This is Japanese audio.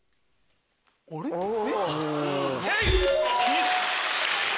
よし！